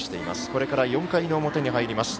これから４回の表に入ります。